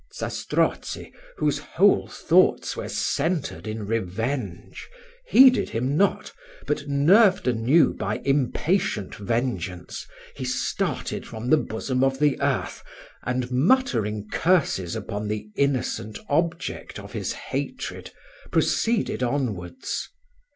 Zastrozzi, whose whole thoughts were centred in revenge, heeded him not, but nerved anew by impatient vengeance, he started from the bosom of the earth, and muttering curses upon the innocent object of his hatred, proceeded onwards.